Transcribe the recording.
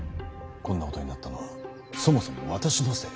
こんなことになったのはそもそも私のせい。